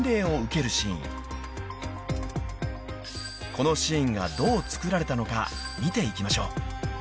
［このシーンがどう作られたのか見ていきましょう］